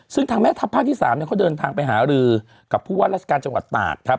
ซึ่งทางแม่ทัพภาคที่๓เขาเดินทางไปหารือกับผู้ว่าราชการจังหวัดตากครับ